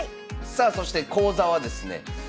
さあそして講座はですね